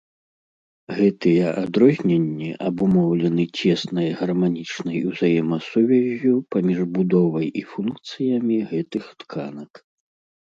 Гэтыя адрозненні абумоўлены цеснай гарманічнай узаемасувяззю паміж будовай і функцыямі гэтых тканак.